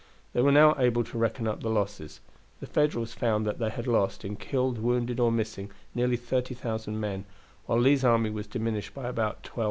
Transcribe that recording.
They were now able to reckon up the losses. The Federals found that they had lost, in killed, wounded, or missing, nearly 30,000 men; while Lee's army was diminished by about 12,000.